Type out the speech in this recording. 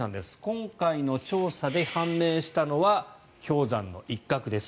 今回の調査で判明したのは氷山の一角です。